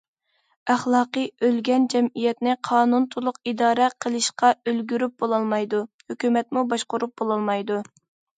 ئەخلاقى ئۆلگەن جەمئىيەتنى قانۇن تولۇق ئىدارە قىلىشقا ئۈلگۈرۈپ بولالمايدۇ، ھۆكۈمەتمۇ باشقۇرۇپ بولالمايدۇ.